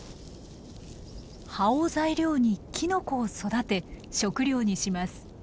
葉を材料にキノコを育て食料にします。